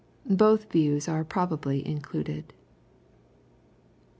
Both views are probably included.